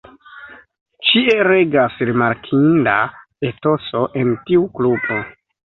Ĉie regas rimarkinda etoso en tiu klubo.